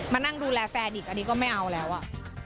มานั่งดูแลแฟนอีกอันนี้ก็ไม่เอาแล้วอ่ะ